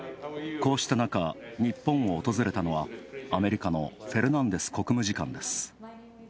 こうしたなか、日本を訪れたのはアメリカのフェルナンデス国務次官です。